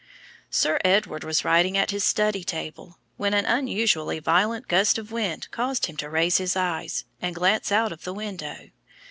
Sir Edward was writing at his study table, when an unusually violent gust of wind caused him to raise his eyes and glance out of the window.